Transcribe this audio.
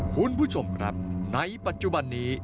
คุณผู้ชมครับในปัจจุบันนี้